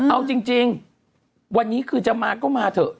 เอาจริงวันนี้คือจะมาก็มาเถอะ